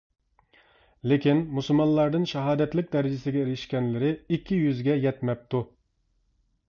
لېكىن، مۇسۇلمانلاردىن شاھادەتلىك دەرىجىسىگە ئېرىشكەنلىرى ئىككى يۈزگە يەتمەپتۇ.